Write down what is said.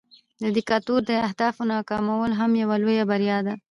د دیکتاتور د اهدافو ناکامول هم یوه لویه بریا ده.